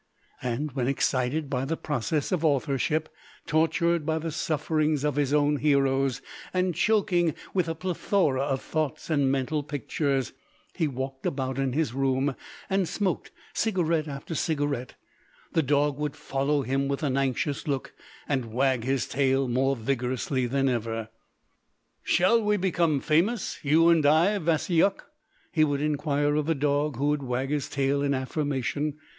And when excited by the process of authorship, tortured by the sufferings of his own heroes, and choking with a plethora of thoughts and mental pictures, he walked about in his room, and smoked cigarette after cigarette, the dog would follow him with an anxious look, and wag his tail more vigorously than ever. "Shall we become famous, you and I, Vasyuk?" he would inquire of the dog, who would wag his tail in affirmation.